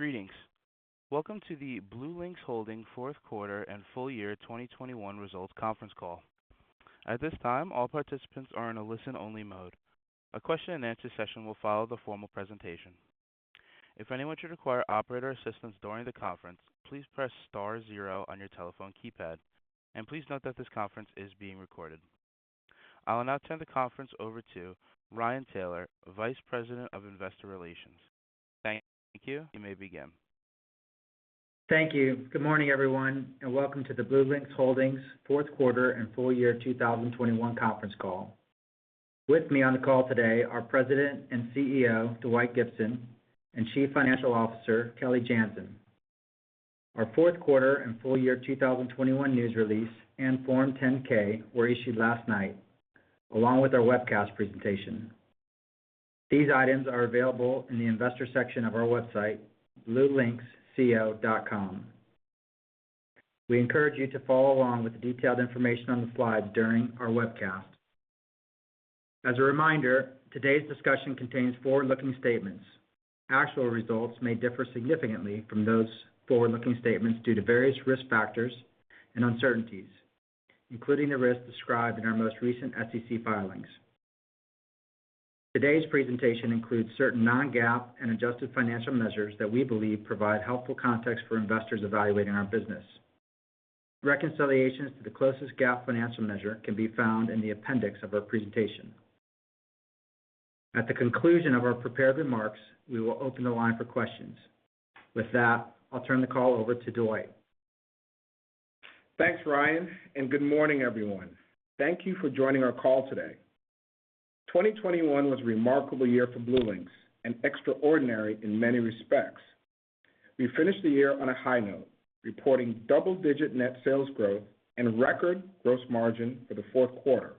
Greetings. Welcome to the BlueLinx Holdings Q4 and Full Year 2021 Results Conference Call. At this time, all participants are in a listen-only mode. A question-and-answer session will follow the formal presentation. If anyone should require operator assistance during the conference, please press star zero on your telephone keypad, and please note that this conference is being recorded. I will now turn the conference over to Ryan Taylor, Vice President of Investor Relations. Thank you. You may begin. Thank you. Good morning, everyone, and welcome to the BlueLinx Holdings Q4 and Full Year 2021 Conference Call. With me on the call today are President and CEO, Dwight Gibson, and Chief Financial Officer, Kelly Janzen. Our Q4 and full year 2021 news release and Form 10-K were issued last night, along with our webcast presentation. These items are available in the investor section of our website, bluelinxco.com. We encourage you to follow along with the detailed information on the slides during our webcast. As a reminder, today's discussion contains forward-looking statements. Actual results may differ significantly from those forward-looking statements due to various risk factors and uncertainties, including the risks described in our most recent SEC filings. Today's presentation includes certain non-GAAP and adjusted financial measures that we believe provide helpful context for investors evaluating our business. Reconciliations to the closest GAAP financial measure can be found in the appendix of our presentation. At the conclusion of our prepared remarks, we will open the line for questions. With that, I'll turn the call over to Dwight. Thanks, Ryan, and good morning, everyone. Thank you for joining our call today. 2021 was a remarkable year for BlueLinx and extraordinary in many respects. We finished the year on a high note, reporting double-digit net sales growth and record gross margin for the Q4,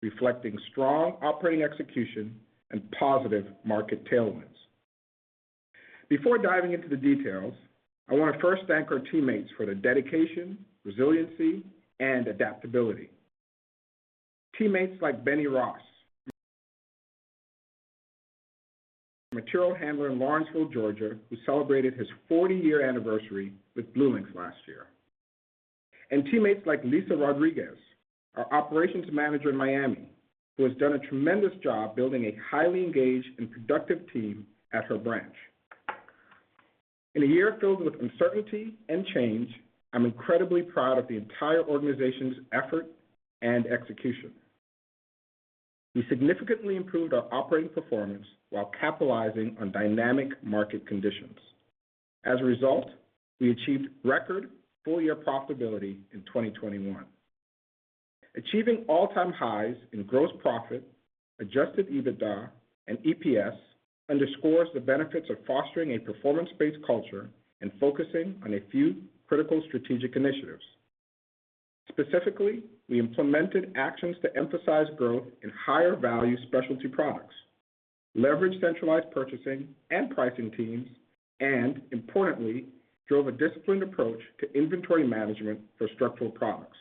reflecting strong operating execution and positive market tailwinds. Before diving into the details, I wanna first thank our teammates for their dedication, resiliency, and adaptability. Teammates like Benny Ross, a material handler in Lawrenceville, Georgia, who celebrated his 40-year anniversary with BlueLinx last year. Teammates like Lisa Rodriguez, our operations manager in Miami, who has done a tremendous job building a highly engaged and productive team at her branch. In a year filled with uncertainty and change, I'm incredibly proud of the entire organization's effort and execution. We significantly improved our operating performance while capitalizing on dynamic market conditions. As a result, we achieved record full-year profitability in 2021. Achieving all-time highs in gross profit, Adjusted EBITDA, and EPS underscores the benefits of fostering a performance-based culture and focusing on a few critical strategic initiatives. Specifically, we implemented actions to emphasize growth in higher-value Specialty products, leveraged centralized purchasing and pricing teams, and importantly, drove a disciplined approach to inventory management for Structural products.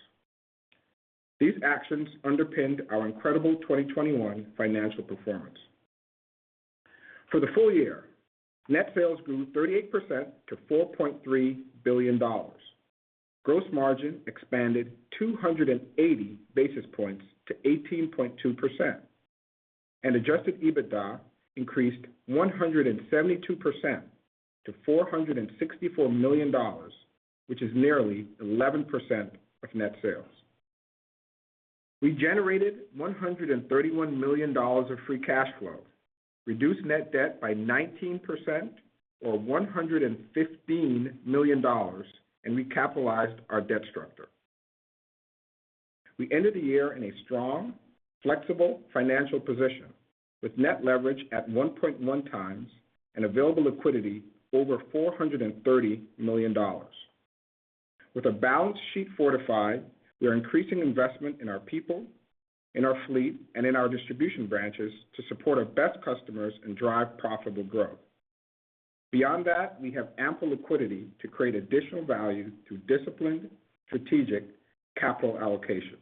These actions underpinned our incredible 2021 financial performance. For the full year, net sales grew 38% to $4.3 billion. Gross margin expanded 280 basis points to 18.2%. Adjusted EBITDA increased 172% to $464 million, which is nearly 11% of net sales. We generated $131 million of free cash flow, reduced net debt by 19% or $115 million, and recapitalized our debt structure. We ended the year in a strong, flexible financial position with net leverage at 1.1x and available liquidity over $430 million. With a balance sheet fortified, we are increasing investment in our people, in our fleet, and in our distribution branches to support our best customers and drive profitable growth. Beyond that, we have ample liquidity to create additional value through disciplined strategic capital allocation.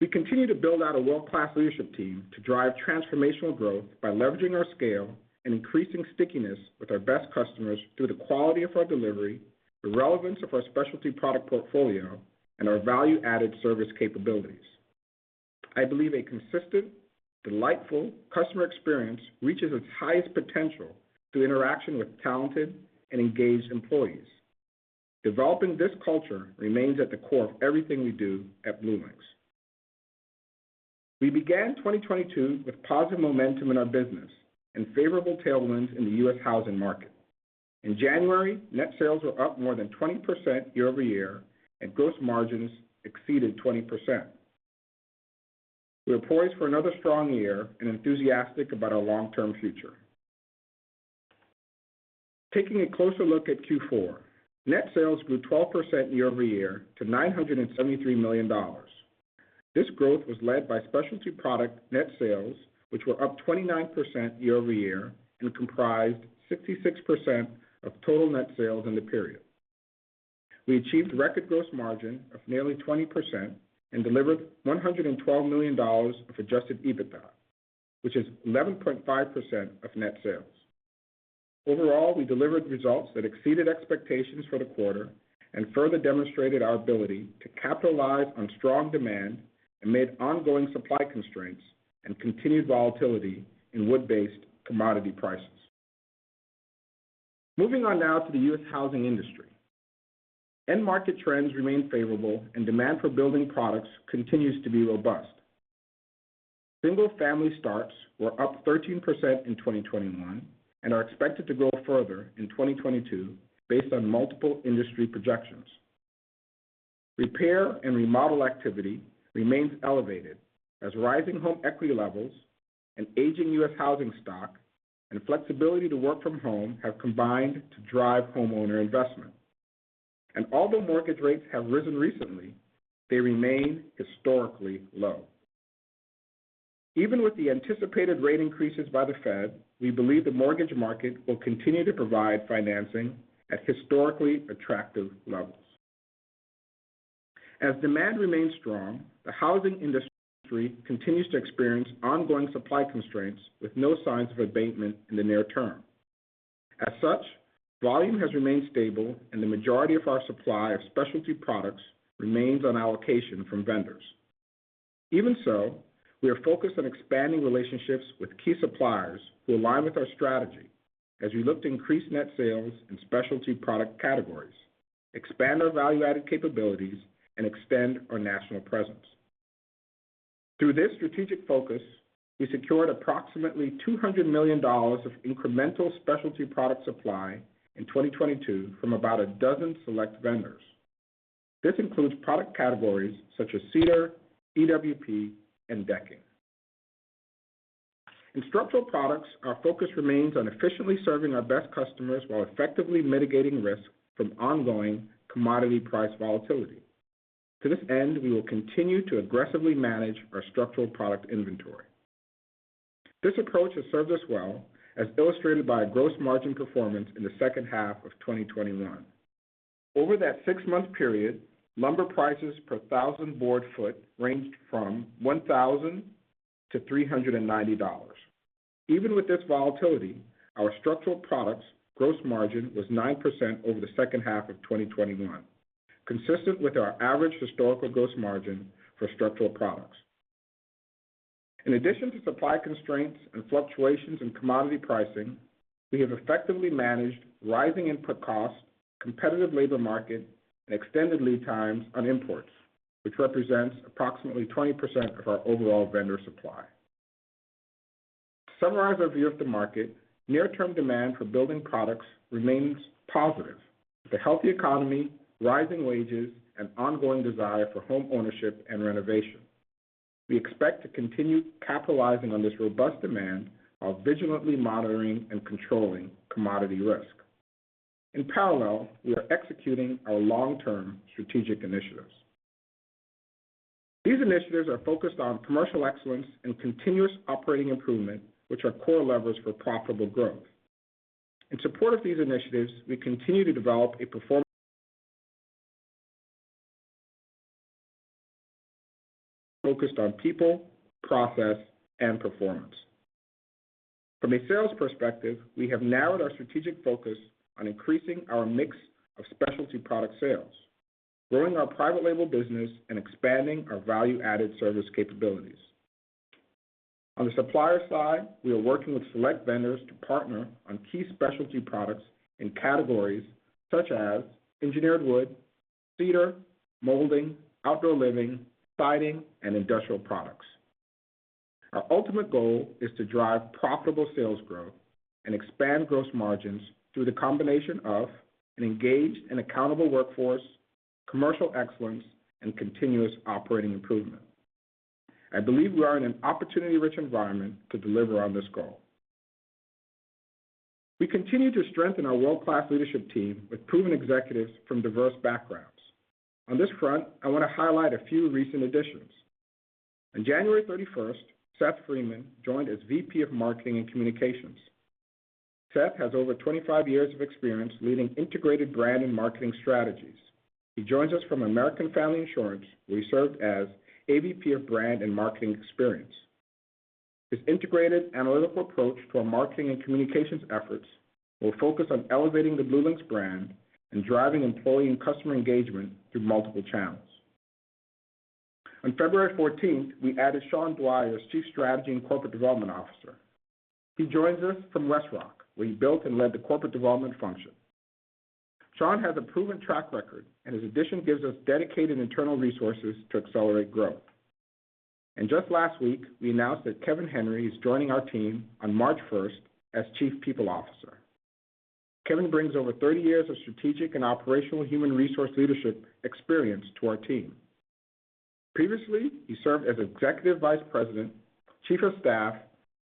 We continue to build out a world-class leadership team to drive transformational growth by leveraging our scale and increasing stickiness with our best customers through the quality of our delivery, the relevance of our Specialty product portfolio, and our value-added service capabilities. I believe a consistent, delightful customer experience reaches its highest potential through interaction with talented and engaged employees. Developing this culture remains at the core of everything we do at BlueLinx. We began 2022 with positive momentum in our business and favorable tailwinds in the U.S. housing market. In January, net sales were up more than 20% year-over-year, and gross margins exceeded 20%. We are poised for another strong year and enthusiastic about our long-term future. Taking a closer look at Q4. Net sales grew 12% year-over-year to $973 million. This growth was led by Specialty product net sales, which were up 29% year-over-year and comprised 66% of total net sales in the period. We achieved record gross margin of nearly 20% and delivered $112 million of Adjusted EBITDA, which is 11.5% of net sales. Overall, we delivered results that exceeded expectations for the quarter and further demonstrated our ability to capitalize on strong demand amid ongoing supply constraints and continued volatility in wood-based commodity prices. Moving on now to the U.S. housing industry. End market trends remain favorable and demand for building products continues to be robust. Single-family starts were up 13% in 2021 and are expected to grow further in 2022 based on multiple industry projections. Repair and remodel activity remains elevated as rising home equity levels and aging U.S. housing stock and flexibility to work from home have combined to drive homeowner investment. Although mortgage rates have risen recently, they remain historically low. Even with the anticipated rate increases by the Fed, we believe the mortgage market will continue to provide financing at historically attractive levels. As demand remains strong, the housing industry continues to experience ongoing supply constraints with no signs of abatement in the near term. As such, volume has remained stable and the majority of our supply of Specialty products remains on allocation from vendors. Even so, we are focused on expanding relationships with key suppliers who align with our strategy as we look to increase net sales in Specialty product categories, expand our value-added capabilities, and extend our national presence. Through this strategic focus, we secured approximately $200 million of incremental Specialty product supply in 2022 from about a dozen select vendors. This includes product categories such as Cedar, EWP, and Decking. In Structural products, our focus remains on efficiently serving our best customers while effectively mitigating risk from ongoing commodity price volatility. To this end, we will continue to aggressively manage our Structural product inventory. This approach has served us well, as illustrated by our gross margin performance in the second half of 2021. Over that six-month period, lumber prices per 1,000 board foot ranged from $1,000-$1,390. Even with this volatility, our Structural products gross margin was 9% over the second half of 2021, consistent with our average historical gross margin for Structural products. In addition to supply constraints and fluctuations in commodity pricing, we have effectively managed rising input costs, competitive labor market, and extended lead times on imports, which represents approximately 20% of our overall vendor supply. To summarize our view of the market, near-term demand for building products remains positive with a healthy economy, rising wages, and ongoing desire for home ownership and renovation. We expect to continue capitalizing on this robust demand while vigilantly monitoring and controlling commodity risk. In parallel, we are executing our long-term strategic initiatives. These initiatives are focused on commercial excellence and continuous operating improvement, which are core levers for profitable growth. In support of these initiatives, we continue to develop a performance focused on people, process, and performance. From a sales perspective, we have narrowed our strategic focus on increasing our mix of Specialty product sales, growing our private label business, and expanding our value-added service capabilities. On the supplier side, we are working with select vendors to partner on key Specialty products in categories such as engineered wood, cedar, molding, outdoor living, siding, and industrial products. Our ultimate goal is to drive profitable sales growth and expand gross margins through the combination of an engaged and accountable workforce, commercial excellence, and continuous operating improvement. I believe we are in an opportunity-rich environment to deliver on this goal. We continue to strengthen our world-class leadership team with proven executives from diverse backgrounds. On this front, I want to highlight a few recent additions. On January 31st, Seth Freeman joined as VP of Marketing and Communications. Seth has over 25 years of experience leading integrated brand and marketing strategies. He joins us from American Family Insurance, where he served as AVP of Brand and Marketing Experience. His integrated analytical approach to our marketing and communications efforts will focus on elevating the BlueLinx brand and driving employee and customer engagement through multiple channels. On February 14th, we added Sean Dwyer as Chief Strategy and Corporate Development Officer. He joins us from WestRock, where he built and led the corporate development function. Sean has a proven track record, and his addition gives us dedicated internal resources to accelerate growth. Just last week, we announced that Kevin Henry is joining our team on March 1st as Chief People Officer. Kevin brings over 30 years of strategic and operational human resource leadership experience to our team. Previously, he served as Executive Vice President, Chief of Staff,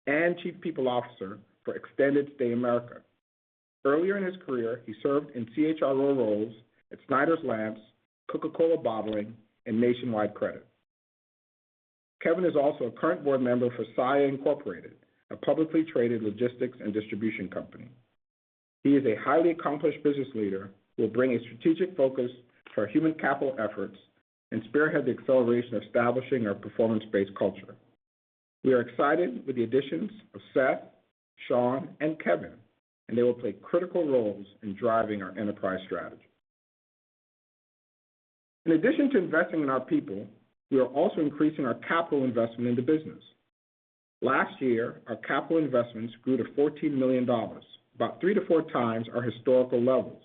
and Chief People Officer for Extended Stay America. Earlier in his career, he served in CHRO roles at Snyder's-Lance, Coca-Cola Bottling, and Nationwide Credit. Kevin is also a current board member for Saia, Inc., a publicly traded logistics and distribution company. He is a highly accomplished business leader who will bring a strategic focus to our human capital efforts and spearhead the acceleration of establishing our performance-based culture. We are excited with the additions of Seth, Sean, and Kevin, and they will play critical roles in driving our enterprise strategy. In addition to investing in our people, we are also increasing our capital investment in the business. Last year, our capital investments grew to $14 million, about three to four times our historical levels.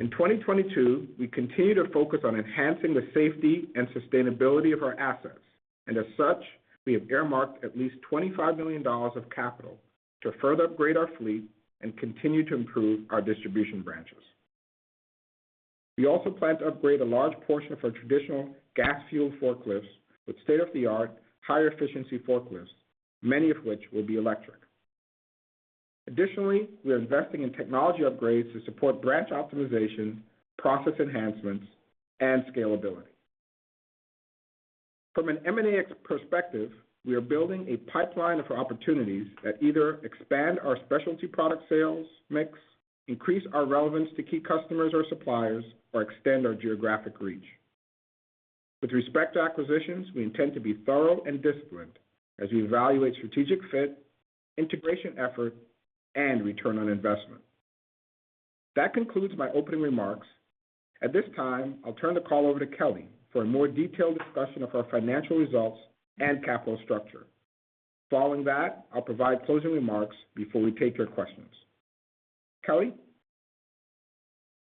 In 2022, we continue to focus on enhancing the safety and sustainability of our assets, and as such, we have earmarked at least $25 million of capital to further upgrade our fleet and continue to improve our distribution branches. We also plan to upgrade a large portion of our traditional gas-fueled forklifts with state-of-the-art, higher-efficiency forklifts, many of which will be electric. Additionally, we are investing in technology upgrades to support branch optimization, process enhancements, and scalability. From an M&A perspective, we are building a pipeline of opportunities that either expand our Specialty product sales mix, increase our relevance to key customers or suppliers, or extend our geographic reach. With respect to acquisitions, we intend to be thorough and disciplined as we evaluate strategic fit, integration effort, and return on investment. That concludes my opening remarks. At this time, I'll turn the call over to Kelly for a more detailed discussion of our financial results and capital structure. Following that, I'll provide closing remarks before we take your questions. Kelly?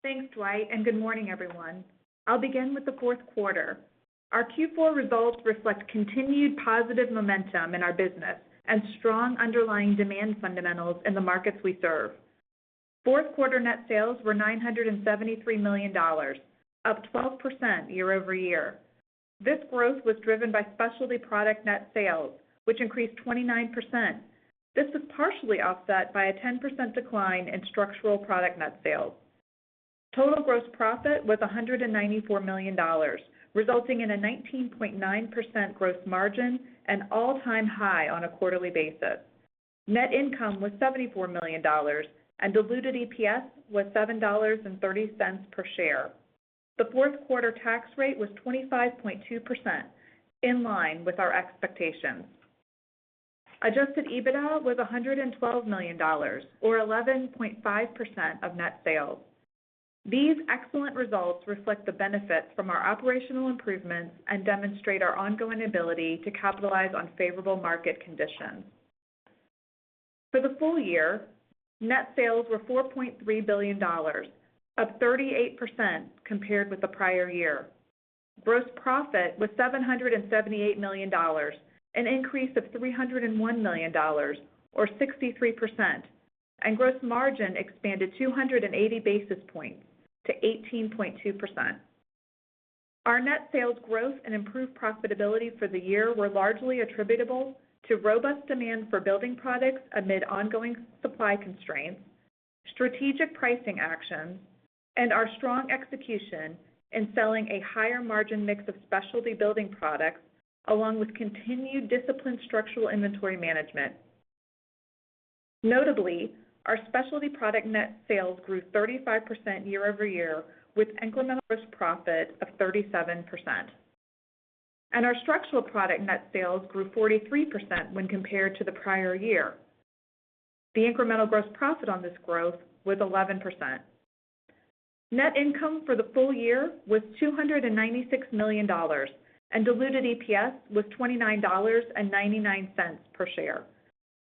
Thanks, Dwight, and good morning, everyone. I'll begin with the Q4. Our Q4 results reflect continued positive momentum in our business and strong underlying demand fundamentals in the markets we serve. Q4 net sales were $973 million, up 12% year-over-year. This growth was driven by Specialty product net sales, which increased 29%. This was partially offset by a 10% decline in Structural product net sales. Total gross profit was $194 million, resulting in a 19.9% gross margin and all-time high on a quarterly basis. Net income was $74 million, and diluted EPS was $7.30 per share. The Q4 tax rate was 25.2%, in line with our expectations. Adjusted EBITDA was $112 million or 11.5% of net sales. These excellent results reflect the benefits from our operational improvements and demonstrate our ongoing ability to capitalize on favorable market conditions. For the full year, net sales were $4.3 billion, up 38% compared with the prior year. Gross profit was $778 million, an increase of $301 million or 63%, and gross margin expanded 280 basis points to 18.2%. Our net sales growth and improved profitability for the year were largely attributable to robust demand for building products amid ongoing supply constraints, strategic pricing actions, and our strong execution in selling a higher margin mix of Specialty building products, along with continued disciplined Structural inventory management. Notably, our Specialty product net sales grew 35% year-over-year, with incremental gross profit of 37%. Our Structural product net sales grew 43% when compared to the prior year. The incremental gross profit on this growth was 11%. Net income for the full year was $296 million, and diluted EPS was $29.99 per share.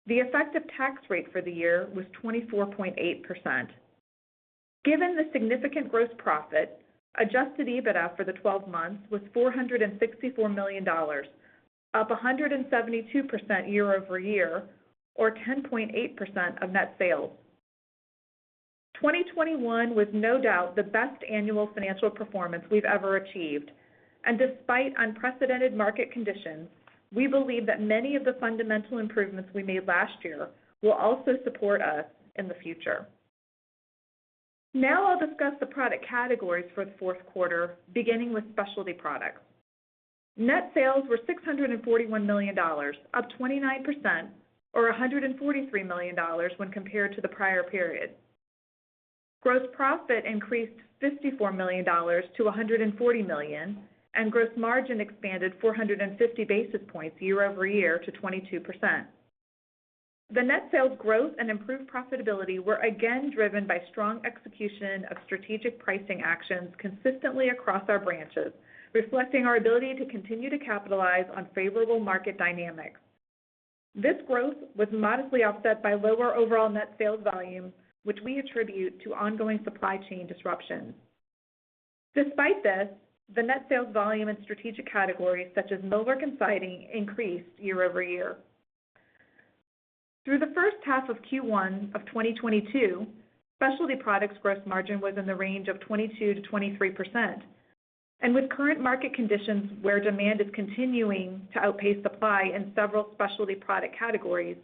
The effective tax rate for the year was 24.8%. Given the significant gross profit, Adjusted EBITDA for the 12 months was $464 million, up 172% year-over-year or 10.8% of net sales. 2021 was no doubt the best annual financial performance we've ever achieved. Despite unprecedented market conditions, we believe that many of the fundamental improvements we made last year will also support us in the future. Now I'll discuss the product categories for the Q4, beginning with Specialty products. Net sales were $641 million, up 29% or $143 million when compared to the prior period. Gross profit increased $54 million-$140 million, and gross margin expanded 450 basis points year-over-year to 22%. The net sales growth and improved profitability were again driven by strong execution of strategic pricing actions consistently across our branches, reflecting our ability to continue to capitalize on favorable market dynamics. This growth was modestly offset by lower overall net sales volume, which we attribute to ongoing supply chain disruptions. Despite this, the net sales volume in strategic categories such as millwork and siding increased year-over-year. Through the first half of Q1 of 2022, Specialty products gross margin was in the range of 22%-23%. With current market conditions where demand is continuing to outpace supply in several Specialty product categories,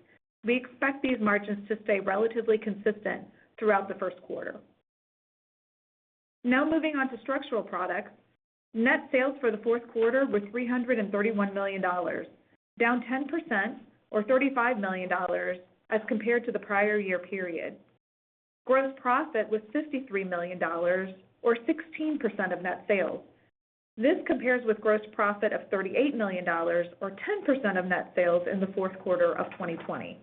we expect these margins to stay relatively consistent throughout the Q1. now moving on to Structural products. Net sales for the Q4 were $331 million, down 10% or $35 million as compared to the prior year period. Gross profit was $53 million or 16% of net sales. This compares with gross profit of $38 million or 10% of net sales in the Q4 of 2020.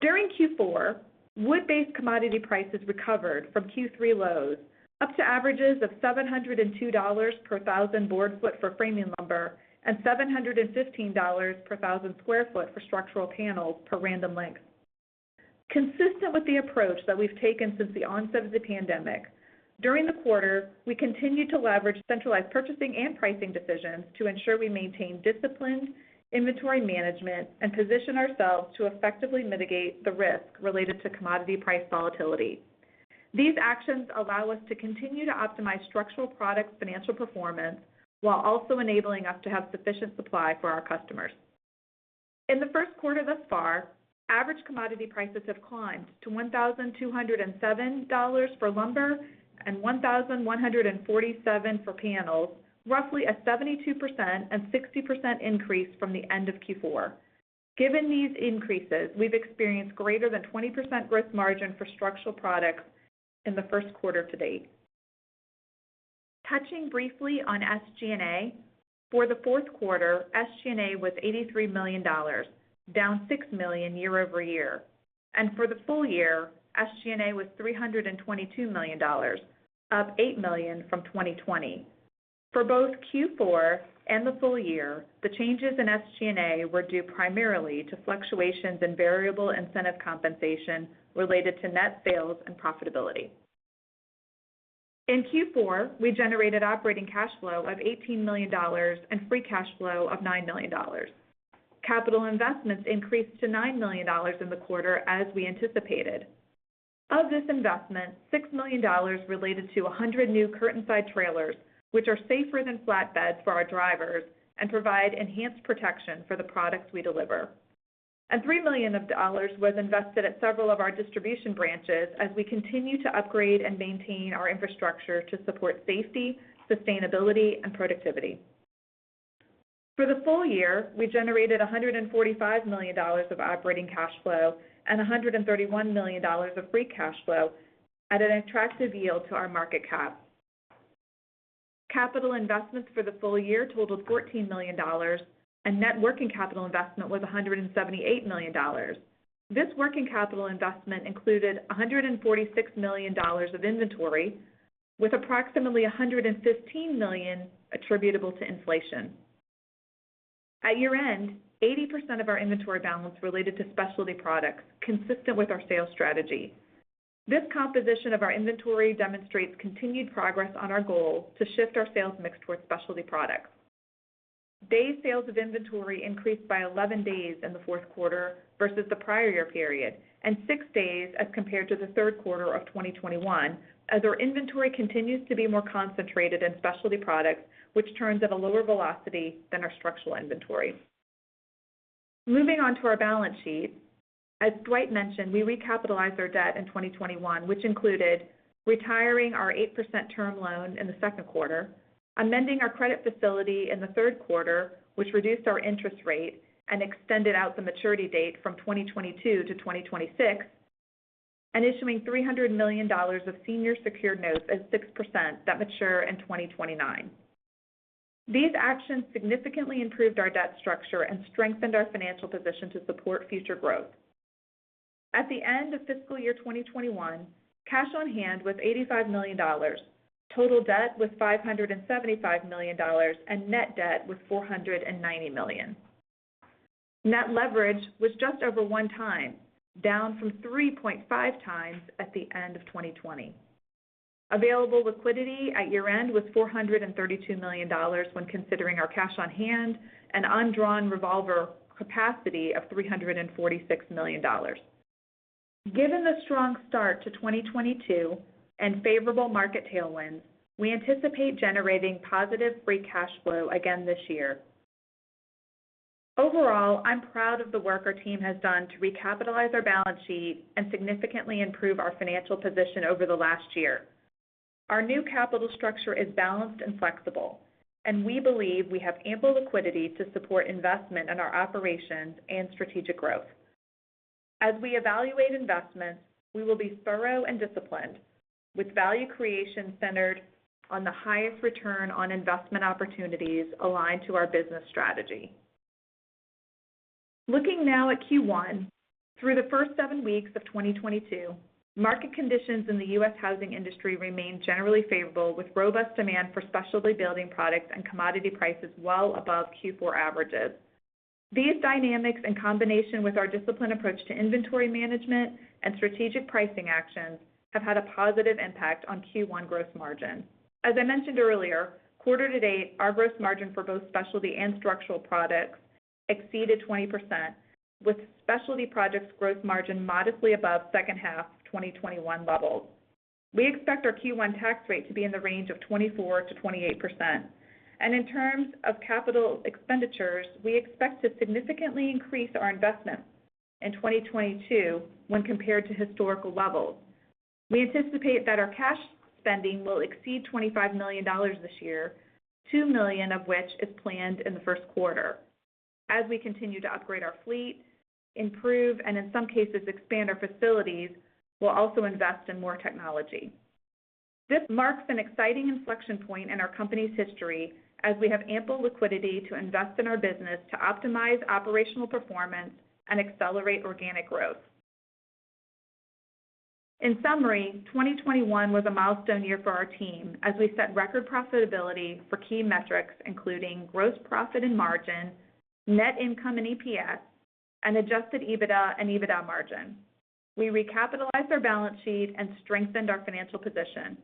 During Q4, wood-based commodity prices recovered from Q3 lows up to averages of $702 per 1,000 board foot for framing lumber and $715 per 1,000 sq ft for Structural panels per Random Lengths. Consistent with the approach that we've taken since the onset of the pandemic, during the quarter, we continued to leverage centralized purchasing and pricing decisions to ensure we maintain disciplined inventory management and position ourselves to effectively mitigate the risk related to commodity price volatility. These actions allow us to continue to optimize Structural products financial performance, while also enabling us to have sufficient supply for our customers. In the Q1 thus far, average commodity prices have climbed to $1,207 for lumber and $1,147 for panels, roughly a 72% and 60% increase from the end of Q4. Given these increases, we've experienced greater than 20% gross margin for Structural products in the Q1 to date. Touching briefly on SG&A. For the Q4, SG&A was $83 million, down $6 million year-over-year. For the full year, SG&A was $322 million, up $8 million from 2020. For both Q4 and the full year, the changes in SG&A were due primarily to fluctuations in variable incentive compensation related to net sales and profitability. In Q4, we generated operating cash flow of $18 million and free cash flow of $9 million. Capital investments increased to $9 million in the quarter, as we anticipated. Of this investment, $6 million related to 100 new curtain side trailers, which are safer than flatbeds for our drivers and provide enhanced protection for the products we deliver. $3 million was invested at several of our distribution branches as we continue to upgrade and maintain our infrastructure to support safety, sustainability, and productivity. For the full year, we generated $145 million of operating cash flow and $131 million of free cash flow at an attractive yield to our market cap. Capital investments for the full year totaled $14 million, and net working capital investment was $178 million. This working capital investment included $146 million of inventory with approximately $115 million attributable to inflation. At year-end, 80% of our inventory balance related to Specialty products, consistent with our sales strategy. This composition of our inventory demonstrates continued progress on our goal to shift our sales mix towards Specialty products. Days sales of inventory increased by 11 days in the Q4 versus the prior year period, and six days as compared to the Q3 of 2021 as our inventory continues to be more concentrated in Specialty products, which turns at a lower velocity than our Structural inventory. Moving on to our balance sheet. As Dwight mentioned, we recapitalized our debt in 2021, which included retiring our 8% term loan in the Q2, amending our credit facility in the Q3, which reduced our interest rate and extended out the maturity date from 2022 to 2026, and issuing $300 million of senior secured notes at 6% that mature in 2029. These actions significantly improved our debt structure and strengthened our financial position to support future growth. At the end of fiscal year 2021, cash on hand was $85 million, total debt was $575 million, and net debt was $490 million. Net leverage was just over 1x, down from 3.5x at the end of 2020. Available liquidity at year-end was $432 million when considering our cash on hand and undrawn revolver capacity of $346 million. Given the strong start to 2022 and favorable market tailwinds, we anticipate generating positive free cash flow again this year. Overall, I'm proud of the work our team has done to recapitalize our balance sheet and significantly improve our financial position over the last year. Our new capital structure is balanced and flexible, and we believe we have ample liquidity to support investment in our operations and strategic growth. As we evaluate investments, we will be thorough and disciplined with value creation centered on the highest return on investment opportunities aligned to our business strategy. Looking now at Q1. Through the first seven weeks of 2022, market conditions in the U.S. housing industry remained generally favorable, with robust demand for Specialty building products and commodity prices well above Q4 averages. These dynamics, in combination with our disciplined approach to inventory management and strategic pricing actions, have had a positive impact on Q1 gross margin. As I mentioned earlier, quarter to date, our gross margin for both Specialty and Structural products exceeded 20%, with Specialty products gross margin modestly above second half of 2021 levels. We expect our Q1 tax rate to be in the range of 24%-28%. In terms of capital expenditures, we expect to significantly increase our investments in 2022, when compared to historical levels. We anticipate that our cash spending will exceed $25 million this year, $2 million of which is planned in the Q1. As we continue to upgrade our fleet, improve, and in some cases expand our facilities, we'll also invest in more technology. This marks an exciting inflection point in our company's history as we have ample liquidity to invest in our business to optimize operational performance and accelerate organic growth. In summary, 2021 was a milestone year for our team as we set record profitability for key metrics including gross profit and margin, net income and EPS, and Adjusted EBITDA and EBITDA margin. We recapitalized our balance sheet and strengthened our financial position.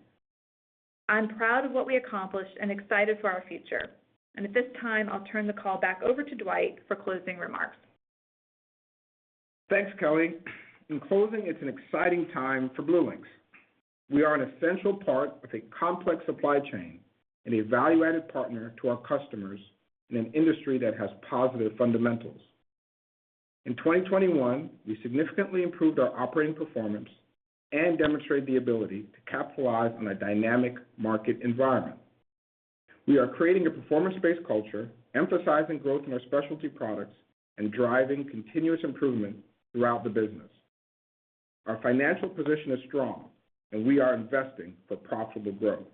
I'm proud of what we accomplished and excited for our future. At this time, I'll turn the call back over to Dwight for closing remarks. Thanks, Kelly. In closing, it's an exciting time for BlueLinx. We are an essential part of a complex supply chain and a value-added partner to our customers in an industry that has positive fundamentals. In 2021, we significantly improved our operating performance and demonstrated the ability to capitalize on a dynamic market environment. We are creating a performance-based culture, emphasizing growth in our Specialty products and driving continuous improvement throughout the business. Our financial position is strong, and we are investing for profitable growth.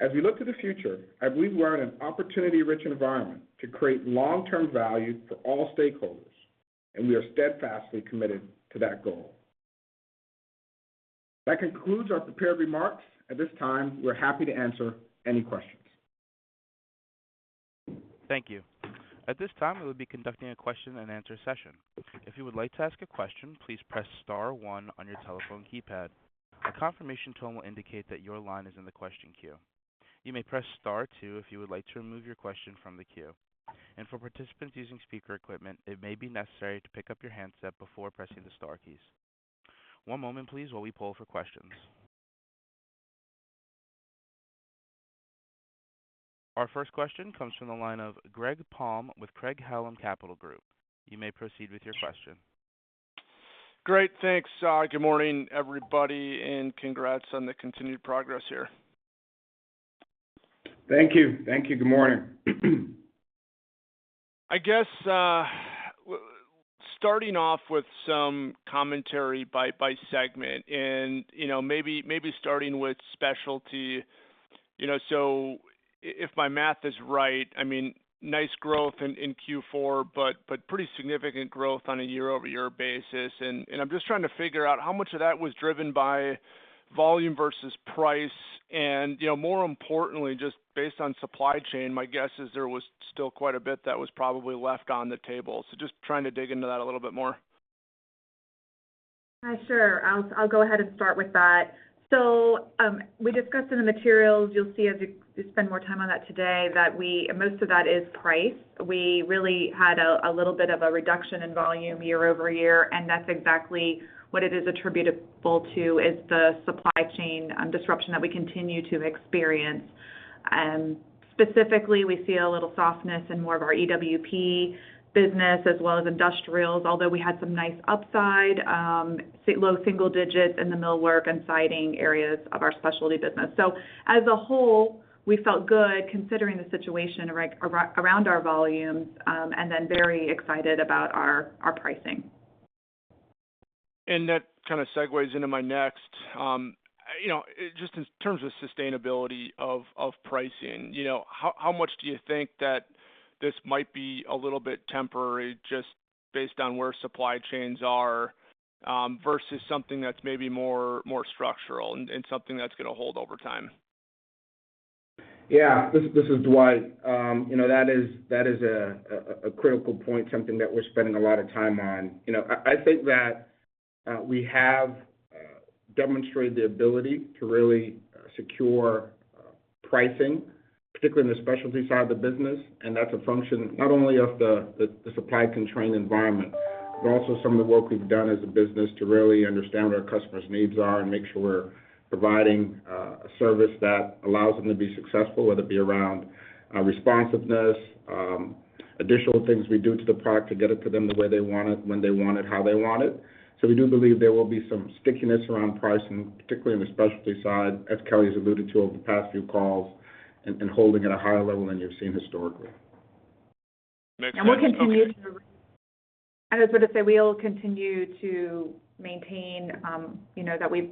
As we look to the future, I believe we are in an opportunity-rich environment to create long-term value for all stakeholders, and we are steadfastly committed to that goal. That concludes our prepared remarks. At this time, we're happy to answer any questions. Thank you. At this time, we will be conducting a question and answer session. If you would like to ask a question, please press star one on your telephone keypad. A confirmation tone will indicate that your line is in the question queue. You may press star two if you would like to remove your question from the queue. For participants using speaker equipment, it may be necessary to pick up your handset before pressing the star keys. One moment, please, while we poll for questions. Our first question comes from the line of Greg Palm with Craig-Hallum Capital Group. You may proceed with your question. Great. Thanks. Good morning, everybody, and congrats on the continued progress here. Thank you. Good morning. I guess starting off with some commentary by segment and, you know, maybe starting with Specialty, you know. If my math is right, I mean, nice growth in Q4, but pretty significant growth on a year-over-year basis. I'm just trying to figure out how much of that was driven by volume versus price. You know, more importantly, just based on supply chain, my guess is there was still quite a bit that was probably left on the table. Just trying to dig into that a little bit more. Sure. I'll go ahead and start with that. We discussed in the materials, you'll see as we spend more time on that today, that most of that is price. We really had a little bit of a reduction in volume year-over-year, and that's exactly what it is attributable to is the supply chain disruption that we continue to experience. Specifically, we see a little softness in more of our EWP business as well as Industrials, although we had some nice upside, low single digits in the millwork and siding areas of our Specialty business. As a whole, we felt good considering the situation around our volumes, and then very excited about our pricing. That kind of segues into my next, you know, just in terms of sustainability of pricing, you know, how much do you think that this might be a little bit temporary just based on where supply chains are, versus something that's maybe more structural and something that's gonna hold over time? Yeah. This is Dwight. You know, that is a critical point, something that we're spending a lot of time on. You know, I think that we have demonstrated the ability to really secure pricing, particularly in the Specialty side of the business, and that's a function not only of the supply constrained environment, but also some of the work we've done as a business to really understand what our customers' needs are and make sure we're providing a service that allows them to be successful, whether it be around responsiveness, additional things we do to the product to get it to them the way they want it, when they want it, how they want it. We do believe there will be some stickiness around pricing, particularly on the Specialty side, as Kelly's alluded to over the past few calls, and holding at a higher level than you've seen historically. Next question comes from- We'll continue to maintain, you know, that we've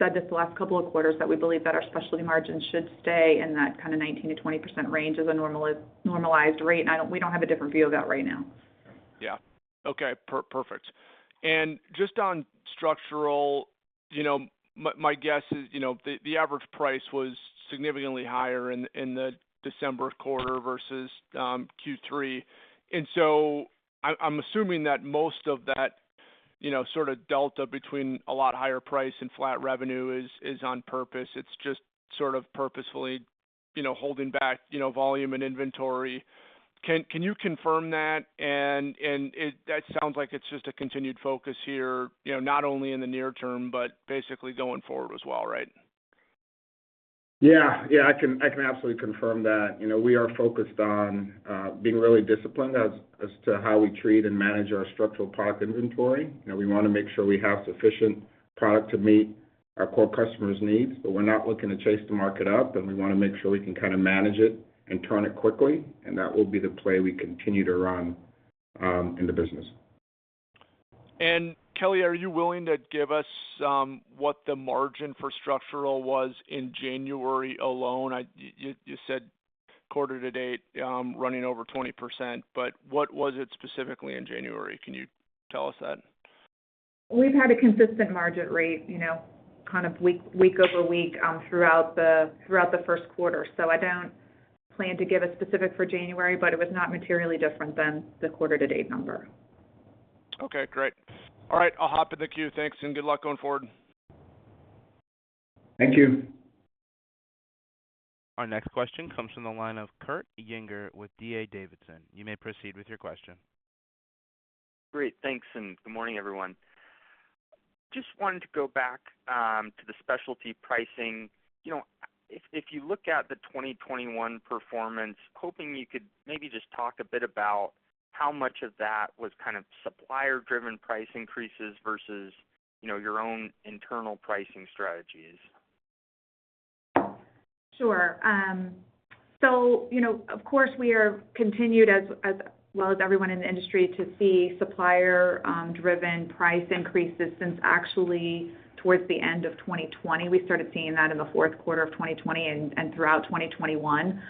said this the last couple of quarters, that we believe that our Specialty margins should stay in that kind of 19%-20% range as a normalized rate, and we don't have a different view of that right now. Yeah. Okay. Perfect. Just on Structural, you know, my guess is, you know, the average price was significantly higher in the December quarter versus Q3. I'm assuming that most of that, you know, sort of delta between a lot higher price and flat revenue is on purpose. It's just sort of purposefully, you know, holding back, you know, volume and inventory. Can you confirm that? That sounds like it's just a continued focus here, you know, not only in the near term, but basically going forward as well, right? Yeah. Yeah, I can absolutely confirm that. You know, we are focused on being really disciplined as to how we treat and manage our Structural product inventory. You know, we wanna make sure we have sufficient product to meet our core customers' needs, but we're not looking to chase the market up, and we wanna make sure we can kinda manage it and turn it quickly, and that will be the play we continue to run in the business. Kelly, are you willing to give us what the margin for Structural was in January alone? You said quarter to date running over 20%, but what was it specifically in January? Can you tell us that? We've had a consistent margin rate, you know, kind of week over week throughout the Q1. I don't plan to give a specific for January, but it was not materially different than the quarter to date number. Okay, great. All right, I'll hop in the queue. Thanks, and good luck going forward. Thank you. Our next question comes from the line of Kurt Yinger with D.A. Davidson. You may proceed with your question. Great. Thanks, and good morning, everyone. Just wanted to go back to the Specialty pricing. You know, if you look at the 2021 performance, hoping you could maybe just talk a bit about how much of that was kind of supplier-driven price increases versus, you know, your own internal pricing strategies. Sure. You know, of course, we continue as well as everyone in the industry to see supplier-driven price increases since actually towards the end of 2020. We started seeing that in the Q4 of 2020 and throughout 2021.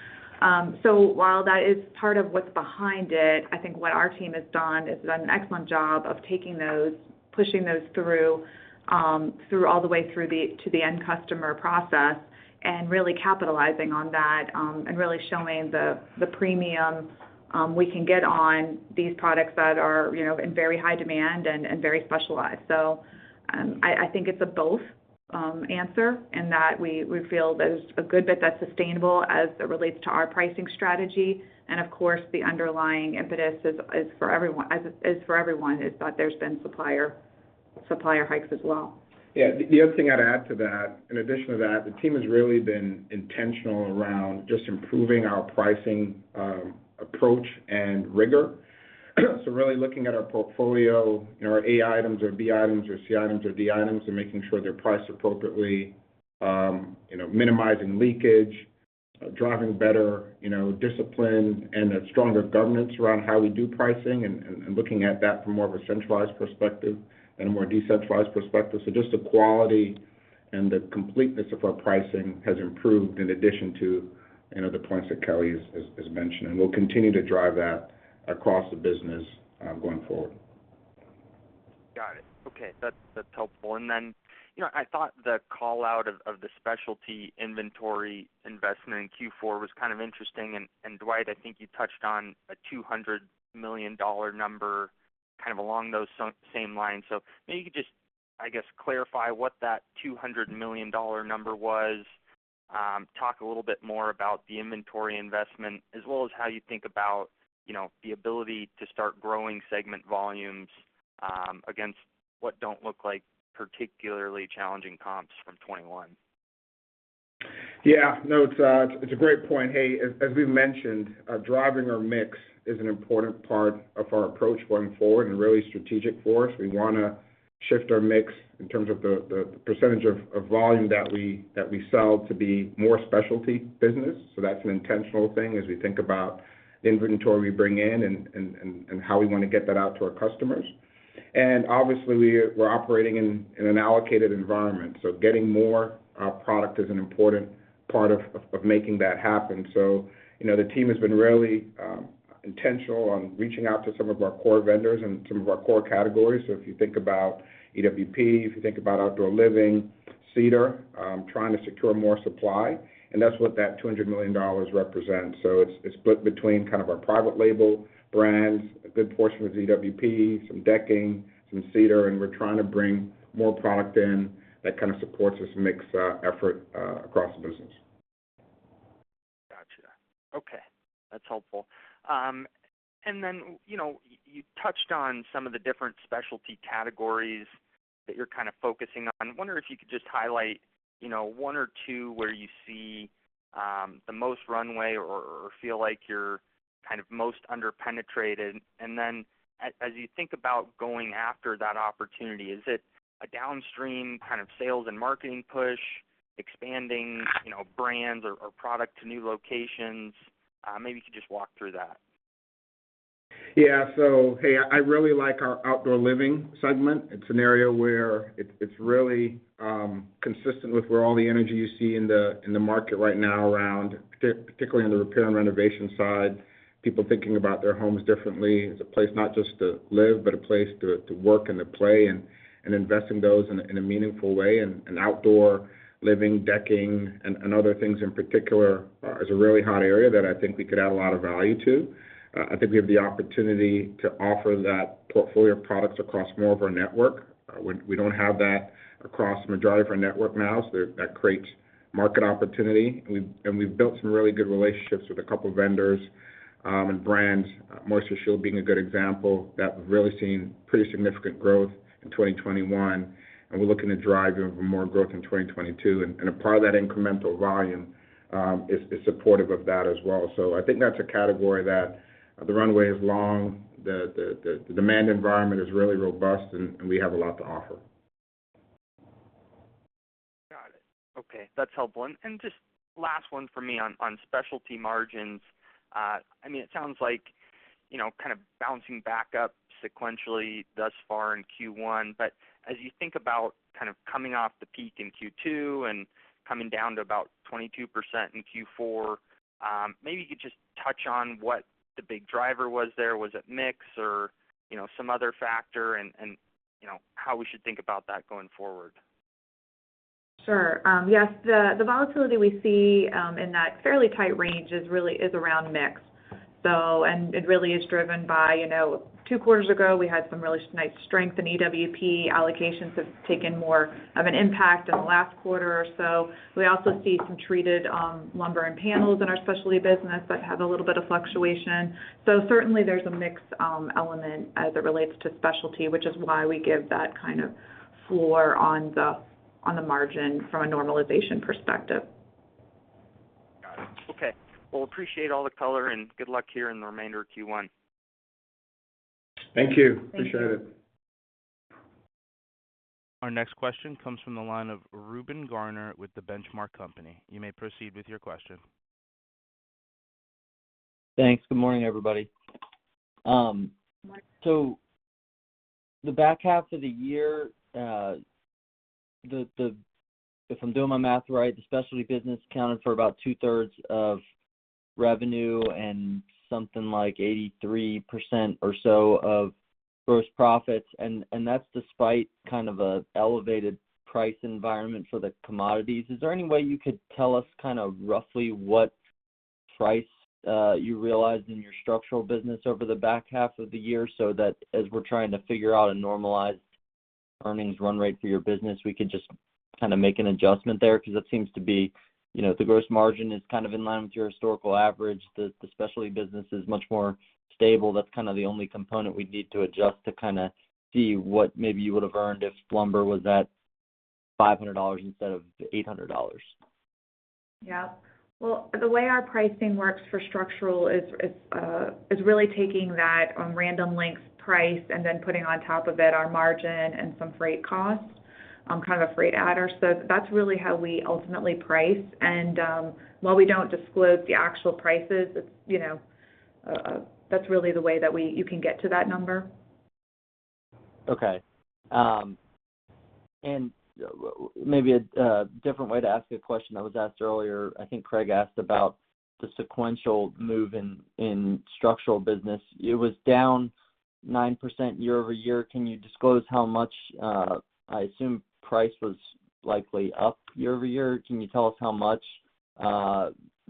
While that is part of what's behind it, I think what our team has done an excellent job of taking those, pushing those through all the way to the end customer process and really capitalizing on that, and really showing the premium we can get on these products that are, you know, in very high demand and very specialized. I think it's a both answer in that we feel there's a good bit that's sustainable as it relates to our pricing strategy. Of course, the underlying impetus is that there's been supplier hikes as well. Yeah. The other thing I'd add to that, in addition to that, the team has really been intentional around just improving our pricing approach and rigor. So really looking at our portfolio, you know, our A items or B items or C items or D items and making sure they're priced appropriately, you know, minimizing leakage, driving better, you know, discipline and a stronger governance around how we do pricing and looking at that from more of a centralized perspective than a more decentralized perspective. So just the quality and the completeness of our pricing has improved in addition to, you know, the points that Kelly has mentioned. We'll continue to drive that across the business going forward. Got it. Okay. That's helpful. Then, you know, I thought the call-out of the Specialty inventory investment in Q4 was kind of interesting. Dwight, I think you touched on a $200 million number kind of along those same lines. So maybe you could just, I guess, clarify what that $200 million number was. Talk a little bit more about the inventory investment as well as how you think about, you know, the ability to start growing segment volumes against what don't look like particularly challenging comps from 2021. Yeah. No, it's a great point. Hey, as we mentioned, driving our mix is an important part of our approach going forward and really strategic for us. We wanna shift our mix in terms of the percentage of volume that we sell to be more Specialty business. That's an intentional thing as we think about inventory we bring in and how we wanna get that out to our customers. Obviously we're operating in an allocated environment, so getting more product is an important part of making that happen. You know, the team has been really intentional on reaching out to some of our core vendors and some of our core categories. If you think about EWP, if you think about Outdoor Living, Cedar, trying to secure more supply, and that's what that $200 million represents. It's split between kind of our Private Label brands, a good portion of EWP, some Decking, some Cedar, and we're trying to bring more product in that kind of supports this mix effort across the business. Gotcha. Okay. That's helpful. You know, you touched on some of the different Specialty categories that you're kind of focusing on. Wondering if you could just highlight, you know, one or two where you see the most runway or feel like you're kind of most under-penetrated. As you think about going after that opportunity, is it a downstream kind of sales and marketing push expanding, you know, brands or product to new locations? Maybe you could just walk through that. Yeah. Hey, I really like our Outdoor Living segment. It's an area where it's really consistent with where all the energy you see in the market right now around, particularly on the repair and renovation side, people thinking about their homes differently. It's a place not just to live, but a place to work and to play and invest in those in a meaningful way. Outdoor Living, Decking and other things in particular is a really hot area that I think we could add a lot of value to. I think we have the opportunity to offer that portfolio of products across more of our network. We don't have that across majority of our network now, so that creates market opportunity. We've built some really good relationships with a couple of vendors and brands, MoistureShield being a good example that we're really seeing pretty significant growth in 2021, and we're looking to drive even more growth in 2022. A part of that incremental volume is supportive of that as well. I think that's a category that the runway is long, the demand environment is really robust and we have a lot to offer. Got it. Okay, that's helpful. Just last one for me on Specialty margins. I mean, it sounds like, you know, kind of bouncing back up sequentially thus far in Q1. As you think about kind of coming off the peak in Q2 and coming down to about 22% in Q4, maybe you could just touch on what the big driver was there. Was it mix or, you know, some other factor and, you know, how we should think about that going forward? Sure. Yes, the volatility we see in that fairly tight range is around mix. It really is driven by, you know, two quarters ago, we had some really nice strength in EWP. Allocations have taken more of an impact in the last quarter or so. We also see some treated lumber and panels in our Specialty business that have a little bit of fluctuation. Certainly there's a mix element as it relates to Specialty, which is why we give that kind of floor on the margin from a normalization perspective. Got it. Okay. Well, appreciate all the color, and good luck here in the remainder of Q1. Thank you. Thank you. Appreciate it. Our next question comes from the line of Reuben Garner with The Benchmark Company. You may proceed with your question. Thanks. Good morning, everybody. So the back half of the year, if I'm doing my math right, the Specialty business accounted for about two-thirds of revenue and something like 83% or so of gross profits. That's despite kind of an elevated price environment for the commodities. Is there any way you could tell us kind of roughly what price you realized in your Structural business over the back half of the year so that as we're trying to figure out a normalized earnings run rate for your business, we could just kind of make an adjustment there? Because it seems to be, you know, the gross margin is kind of in line with your historical average. The Specialty business is much more stable. That's kind of the only component we'd need to adjust to kind of see what maybe you would have earned if lumber was at $500 instead of $800. Yeah. Well, the way our pricing works for Structural is really taking that random lengths price and then putting on top of it our margin and some freight costs, kind of a freight adder. So that's really how we ultimately price. While we don't disclose the actual prices, it's, you know, that's really the way that you can get to that number. Okay. Maybe a different way to ask a question that was asked earlier. I think Greg asked about the sequential move in Structural business. It was down 9% year-over-year. Can you disclose how much I assume price was likely up year-over-year. Can you tell us how much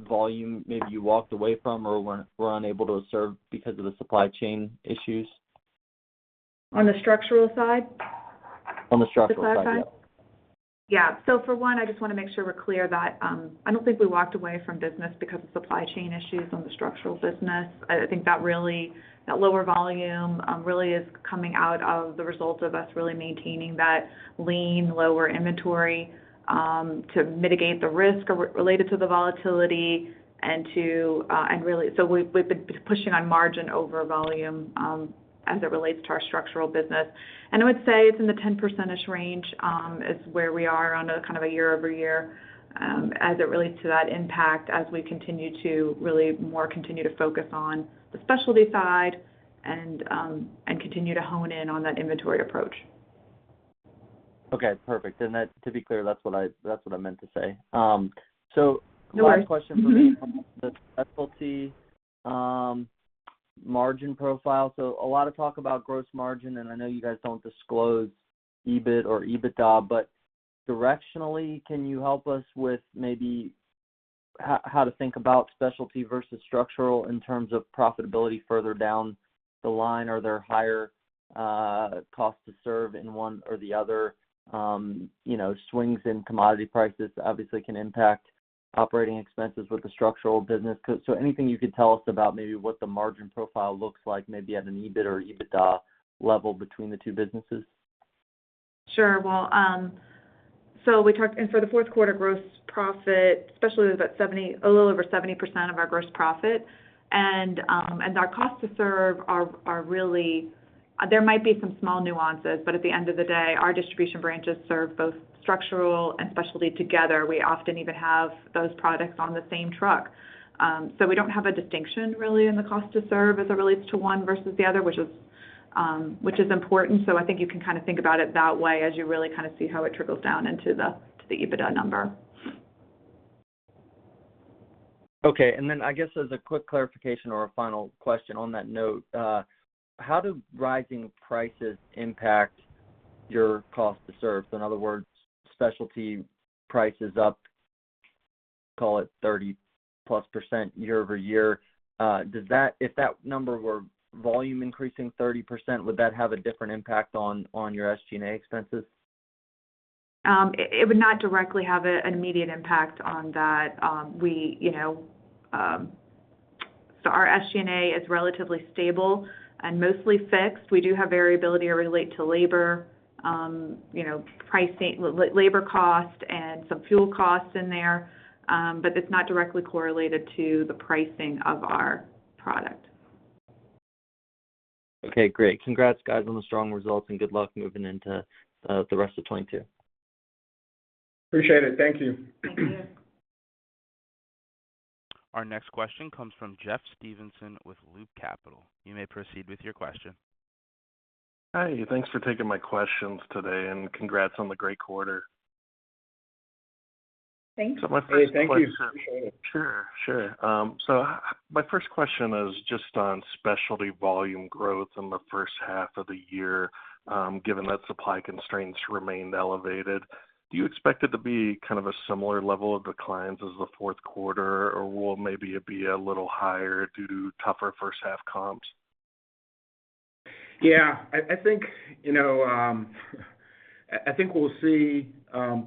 volume maybe you walked away from or were unable to serve because of the supply chain issues? On the Structural side? On the Structural side, yeah. To clarify. Yeah. For one, I just want to make sure we're clear that I don't think we walked away from business because of supply chain issues on the Structural business. I think that lower volume really is coming as a result of us really maintaining that lean lower inventory to mitigate the risk related to the volatility and to really. We've been pushing on margin over volume as it relates to our Structural business. I would say it's in the 10%-ish range is where we are on a kind of a year-over-year as it relates to that impact as we continue to really focus more on the Specialty side and continue to hone in on that inventory approach. Okay, perfect. To be clear, that's what I meant to say. No worries. Mm-hmm. One question for me on the Specialty margin profile. A lot of talk about gross margin, and I know you guys don't disclose EBIT or EBITDA, but directionally, can you help us with maybe how to think about Specialty versus Structural in terms of profitability further down the line? Are there higher costs to serve in one or the other? You know, swings in commodity prices obviously can impact operating expenses with the Structural business. Anything you could tell us about maybe what the margin profile looks like maybe at an EBIT or EBITDA level between the two businesses? Sure. Well, the Q4 gross profit, Specialty was a little over 70% of our gross profit. Our cost to serve are really. There might be some small nuances, but at the end of the day, our distribution branches serve both Structural and Specialty together. We often even have those products on the same truck. We don't have a distinction really in the cost to serve as it relates to one versus the other, which is important. I think you can kind of think about it that way as you really kind of see how it trickles down into the EBITDA number. Okay. Then I guess as a quick clarification or a final question on that note, how do rising prices impact your cost to serve? In other words, Specialty price is up Call it 30%+ year-over-year. If that number were volume increasing 30%, would that have a different impact on your SG&A expenses? It would not directly have an immediate impact on that. We, you know, our SG&A is relatively stable and mostly fixed. We do have variability related to labor, you know, pricing, labor cost and some fuel costs in there. It's not directly correlated to the pricing of our product. Okay, great. Congrats guys on the strong results and good luck moving into the rest of 2022. Appreciate it. Thank you. Thank you. Our next question comes from Jeff Stevenson with Loop Capital. You may proceed with your question. Hi. Thanks for taking my questions today, and congrats on the great quarter. Thanks. Hey, thank you. Appreciate it. Sure. My first question is just on Specialty volume growth in the first half of the year, given that supply constraints remained elevated. Do you expect it to be kind of a similar level of declines as the Q4? Will maybe it be a little higher due to tougher first half comps? Yeah. I think, you know, I think we'll see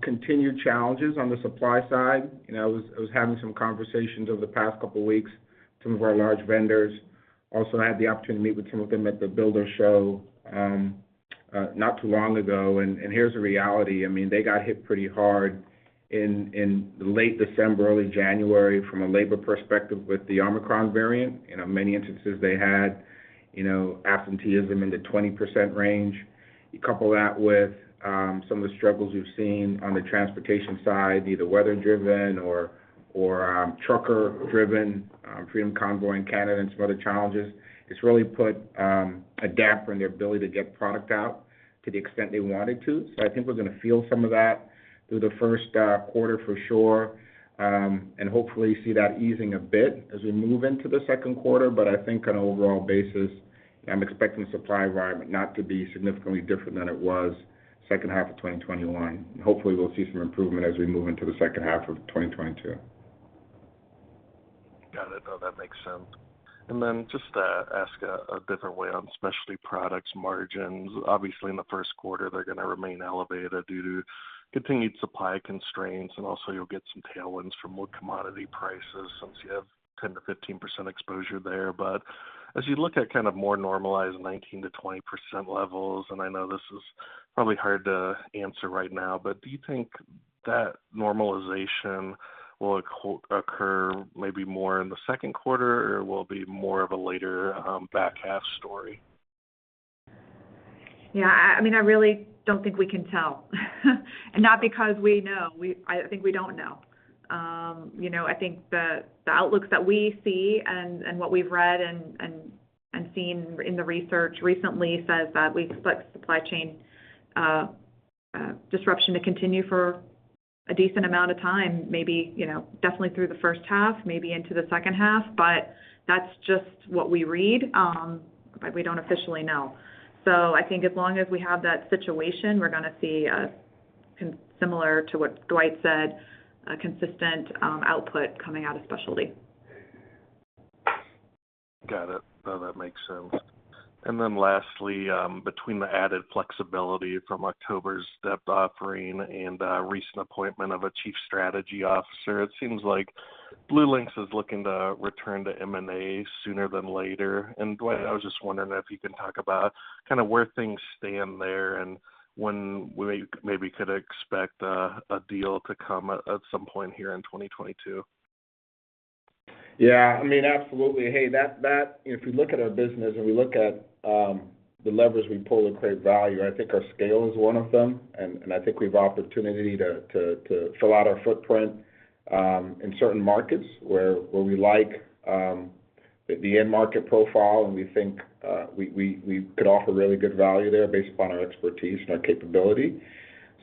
continued challenges on the supply side. You know, I was having some conversations over the past couple weeks, some of our large vendors. Also, I had the opportunity to meet with some of them at the Builders' Show not too long ago. Here's the reality, I mean, they got hit pretty hard in late December, early January from a labor perspective with the Omicron variant. In many instances, they had, you know, absenteeism in the 20% range. You couple that with some of the struggles we've seen on the transportation side, be it the weather-driven or trucker-driven Freedom Convoy in Canada and some other challenges, it's really put a damper on their ability to get product out to the extent they wanted to. I think we're gonna feel some of that through the Q1 for sure, and hopefully see that easing a bit as we move into the Q2. I think on an overall basis, I'm expecting the supply environment not to be significantly different than it was second half of 2021. Hopefully, we'll see some improvement as we move into the second half of 2022. Got it. No, that makes sense. Just to ask a different way on Specialty products margins. Obviously, in the Q1, they're gonna remain elevated due to continued supply constraints. You'll get some tailwinds from wood commodity prices since you have 10%-15% exposure there. As you look at kind of more normalized 19%-20% levels, and I know this is probably hard to answer right now, but do you think that normalization will occur maybe more in the Q2 or will be more of a later back half story? Yeah. I mean, I really don't think we can tell. Not because we know. I think we don't know. You know, I think the outlooks that we see and what we've read and seen in the research recently says that we expect supply chain disruption to continue for a decent amount of time, maybe, you know, definitely through the first half, maybe into the second half. That's just what we read, but we don't officially know. I think as long as we have that situation, we're gonna see similar to what Dwight said, a consistent output coming out of Specialty. Got it. No, that makes sense. Lastly, between the added flexibility from October's debt offering and recent appointment of a chief strategy officer, it seems like BlueLinx is looking to return to M&A sooner than later. Dwight, I was just wondering if you can talk about kind of where things stand there and when we maybe could expect a deal to come at some point here in 2022. Yeah. I mean, absolutely. If you look at our business and we look at the levers we pull to create value, I think our scale is one of them. I think we've opportunity to fill out our footprint in certain markets where we like the end market profile, and we think we could offer really good value there based upon our expertise and our capability.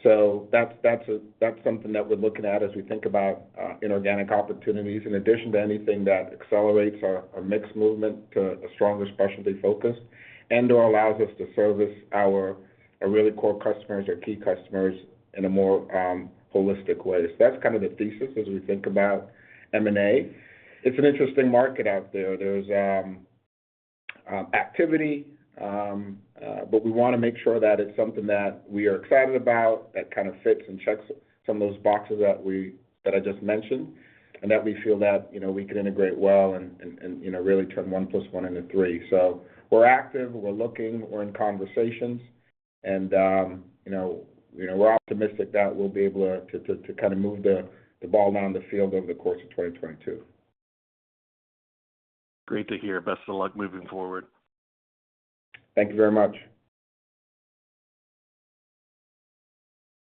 That's something that we're looking at as we think about inorganic opportunities, in addition to anything that accelerates our mix movement to a stronger Specialty focus and/or allows us to service our really core customers or key customers in a more holistic way. That's kind of the thesis as we think about M&A. It's an interesting market out there. There's activity, but we wanna make sure that it's something that we are excited about, that kind of fits and checks some of those boxes that I just mentioned, and that we feel that, you know, we could integrate well and, you know, really turn one plus one into three. We're active, we're looking, we're in conversations, and, you know, we're optimistic that we'll be able to to kind of move the ball down the field over the course of 2022. Great to hear. Best of luck moving forward. Thank you very much.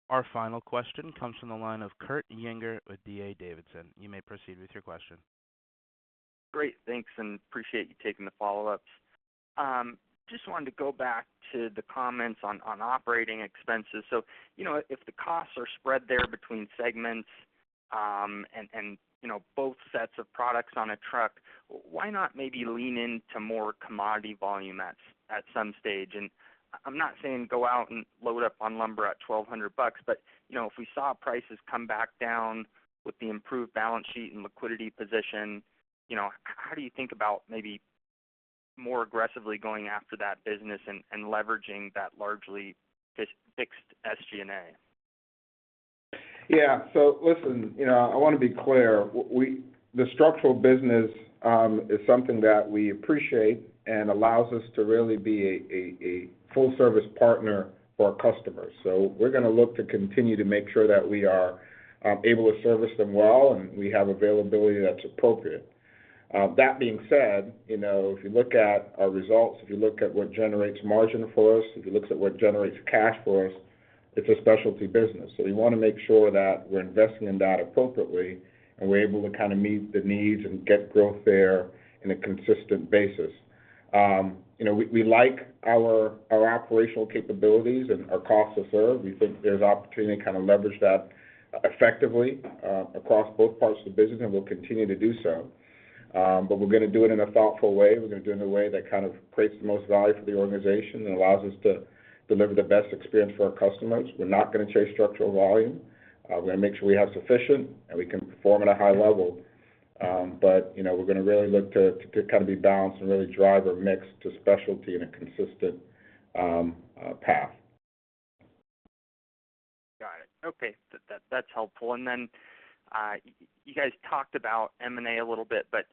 Our final question comes from the line of Kurt Yinger with D.A. Davidson. You may proceed with your question. Great. Thanks, and appreciate you taking the follow-ups. Just wanted to go back to the comments on operating expenses. You know, if the costs are spread there between segments, and you know, both sets of products on a truck, why not maybe lean into more commodity volume at some stage? I'm not saying go out and load up on lumber at $1,200, but you know, if we saw prices come back down with the improved balance sheet and liquidity position, you know, how do you think about maybe more aggressively going after that business and leveraging that largely fixed SG&A. Yeah. Listen, you know, I wanna be clear. The Structural business is something that we appreciate and allows us to really be a full service partner for our customers. We're gonna look to continue to make sure that we are able to service them well, and we have availability that's appropriate. That being said, you know, if you look at our results, if you look at what generates margin for us, if you look at what generates cash for us, it's a Specialty business. We wanna make sure that we're investing in that appropriately, and we're able to kind of meet the needs and get growth there in a consistent basis. You know, we like our operational capabilities and our cost to serve. We think there's opportunity to kind of leverage that effectively across both parts of the business, and we'll continue to do so. We're gonna do it in a thoughtful way. We're gonna do it in a way that kind of creates the most value for the organization and allows us to deliver the best experience for our customers. We're not gonna chase Structural volume. We're gonna make sure we have sufficient, and we can perform at a high level. You know, we're gonna really look to to kind of be balanced and really drive our mix to Specialty in a consistent path. Got it. Okay. That's helpful. You guys talked about M&A a little bit, but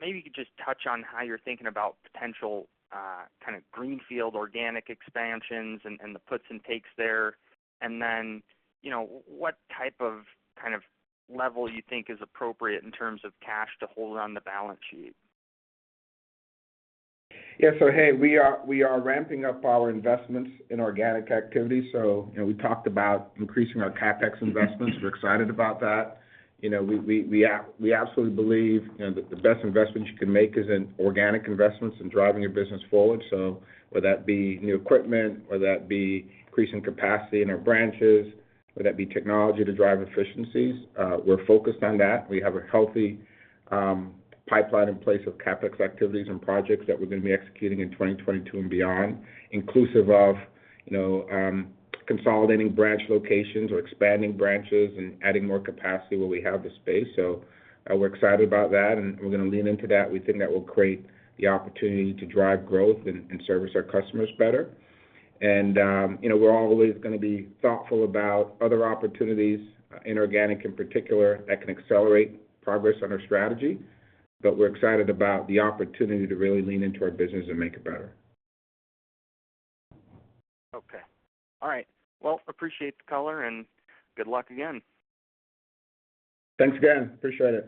maybe you could just touch on how you're thinking about potential kind of greenfield organic expansions and the puts and takes there. You know, what type of kind of level you think is appropriate in terms of cash to hold on the balance sheet? Yeah. Hey, we are ramping up our investments in organic activity. You know, we talked about increasing our CapEx investments. We're excited about that. You know, we absolutely believe, you know, that the best investments you can make is in organic investments and driving your business forward. Whether that be new equipment, whether that be increasing capacity in our branches, whether that be technology to drive efficiencies, we're focused on that. We have a healthy pipeline in place of CapEx activities and projects that we're gonna be executing in 2022 and beyond, inclusive of, you know, consolidating branch locations or expanding branches and adding more capacity where we have the space. We're excited about that, and we're gonna lean into that. We think that will create the opportunity to drive growth and service our customers better. You know, we're always gonna be thoughtful about other opportunities, inorganic in particular, that can accelerate progress on our strategy. We're excited about the opportunity to really lean into our business and make it better. Okay. All right. Well, I appreciate the color and good luck again. Thanks again. Appreciate it.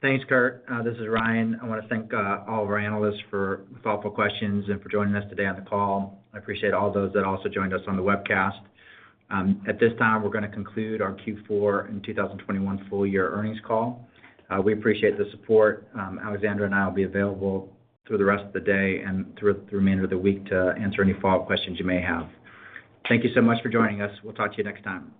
Thanks, Kurt. This is Ryan. I wanna thank all of our Analysts for thoughtful questions and for joining us today on the call. I appreciate all those that also joined us on the webcast. At this time, we're gonna conclude our Q4 and 2021 full year earnings call. We appreciate the support. Alexandra and I will be available through the rest of the day and through the remainder of the week to answer any follow-up questions you may have. Thank you so much for joining us. We'll talk to you next time.